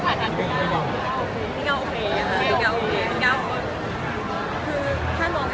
ใช่ใช่ใช่แค่นั้นนะคะ